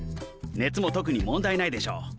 熱も特に問題ないでしょう。